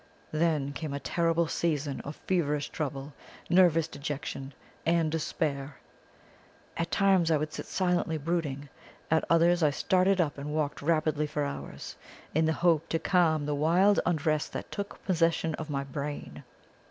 Then came a terrible season of feverish trouble, nervous dejection and despair. At times I would sit silently brooding; at others I started up and walked rapidly for hours, in the hope to calm the wild unrest that took possession of my brain.